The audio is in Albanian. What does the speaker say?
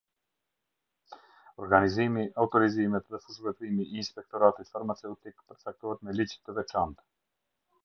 Organizimi, autorizimet, dhe fushëveprimi i Inspektoratit Farmaceutik, përcaktohet me ligj të veçantë.